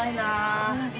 そうよね。